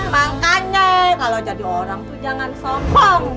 makanya kalau jadi orang tuh jangan sokong